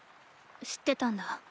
知ってたんだ。